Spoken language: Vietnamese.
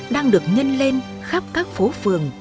đang được nhân lên khắp các phố phường